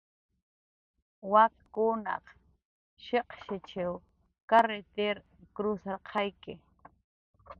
Wakkunaq shiq'shichw karritir krusarqayawi